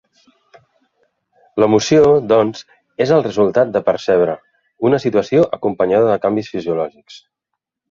L'emoció, doncs, és el resultat de percebre una situació acompanyada de canvis fisiològics.